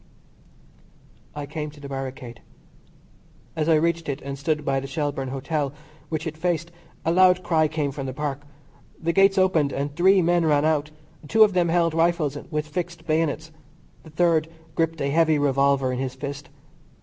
I came to the barricade. As I reached it and stood by the Shelbourne Hotel, which it faced, a loud cry came from the Park. The gates opened and three men ran out. Two of them held rifles with fixed bayonets. The third gripped a heavy revolver in his fist.